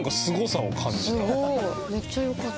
めっちゃよかった。